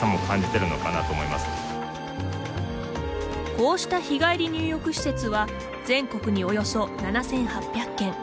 こうした日帰り入浴施設は全国におよそ７，８００軒。